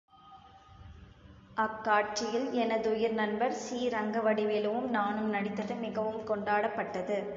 அக் காட்சியில் எனதுயிர் நண்பர் சி.ரங்கவடிவேலுவும் நானும் நடித்தது மிகவும் கொண்டாடப்பட்டது.